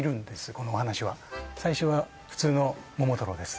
このお話は最初は普通の「ももたろう」です